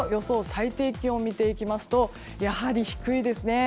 最低気温見ていきますとやはり低いですね。